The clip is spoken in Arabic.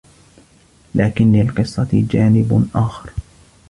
لكن للقصّة جانب آخر.